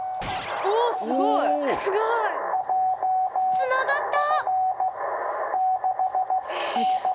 つながった！